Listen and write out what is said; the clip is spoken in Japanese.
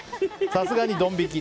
さすがにドン引き。